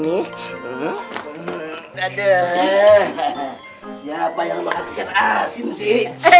siapa yang makan ikan asin sih